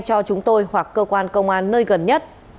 cho chúng tôi hoặc cơ quan công an nơi gần nhất